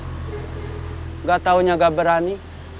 nggak taunya nggak berani